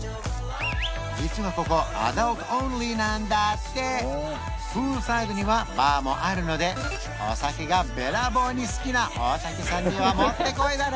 実はここプールサイドにはバーもあるのでお酒がべらぼうに好きな大竹さんにはもってこいだね